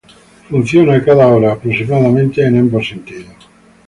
Opera cada hora aproximadamente en cada sentido.